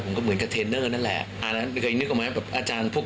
คุณต้องผ่านด่าน๑๘มดรทองคำอะไรอย่างนี้